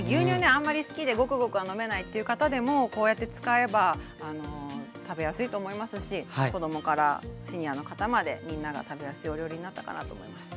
あんまり好きでゴクゴクは飲めないっていう方でもこうやって使えば食べやすいと思いますし子供からシニアの方までみんなが食べやすいお料理になったかなと思います。